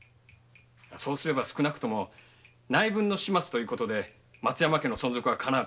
そうすれば少なくとも内分の始末ということで松山家の存続はかなうと思う。